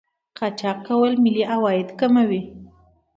قاچاق کول ملي عواید کموي.